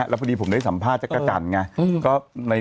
แล้วพอดีวันนี้ผมได้สัมภาษณ์จากกระจันไง